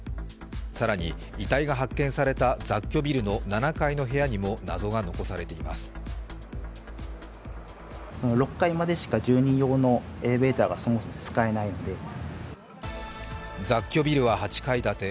更に、遺体が発見された雑居ビルの７階の部屋にも謎が残されています雑居ビルは８階建て。